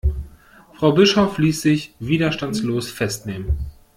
Frau Bischof ließ sich widerstandslos festnehmen.